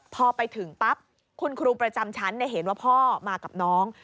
พอไปถึงปั๊บคุณครูประจำชั้นเห็นว่าพ่อมากับน้อง